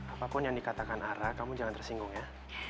apapun yang dikatakan ara kamu jangan tersinggung ya